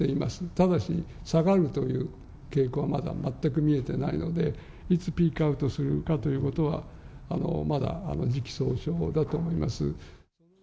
ただし、下がるという傾向は、まだ全く見えてないので、いつピークアウトするかということは、まだ時期尚早だと思います。